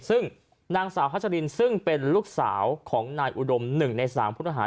ซึ่งนางสาวฮัชรินซึ่งเป็นลูกสาวของนายอุดม๑ใน๓ผู้ต้องหา